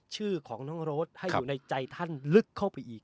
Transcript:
ชื่อของน้องโรดให้อยู่ในใจท่านลึกเข้าไปอีก